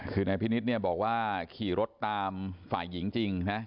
คือพี่นิดบอกว่าขี่รถตามฝ่ายหญิงจริงนะ